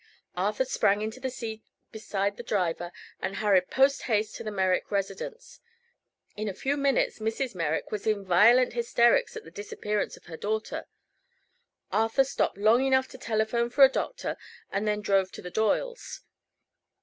Arthur sprang into the seat beside his driver and hurried post haste to the Merrick residence. In a few minutes Mrs. Merrick was in violent hysterics at the disappearance of her daughter. Arthur stopped long enough to telephone for a doctor and then drove to the Doyles.